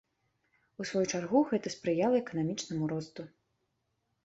У сваю чаргу, гэта спрыяла эканамічнаму росту.